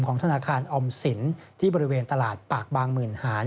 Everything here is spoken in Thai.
ธนาคารออมสินที่บริเวณตลาดปากบางหมื่นหาร